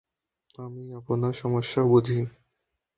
আমি আপনার সমস্যা বুঝি।